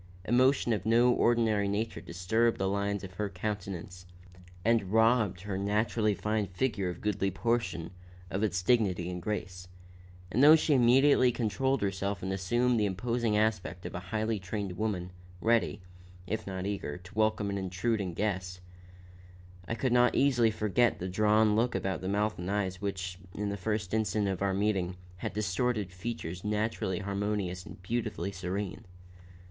Emotion of no ordinary nature disturbed the lines of her countenance and robbed her naturally fine figure of a goodly portion of its dignity and grace; and though she immediately controlled herself and assumed the imposing aspect of a highly trained woman, ready, if not eager, to welcome an intruding guest, I could not easily forget the drawn look about mouth and eyes which, in the first instant of our meeting, had distorted features naturally harmonious and beautifully serene.